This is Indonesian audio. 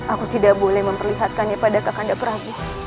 aku tidak boleh memperlihatkannya pada kakanda prabu